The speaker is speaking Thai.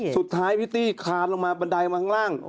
สุดท้ายพิตตี้ขานปันใดออกมาข้างล่าง